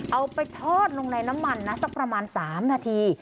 เอาไปทอดลงในน้ำมันนะสักประมาณ๓นาที